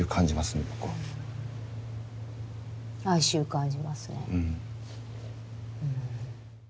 哀愁感じますね。